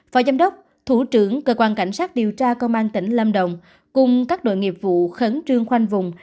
phó giám đốc thủ trưởng cơ quan cảnh sát điều tra công an tỉnh lâm đồng cùng các đội nghiệp vụ khẩn trương khoanh vùng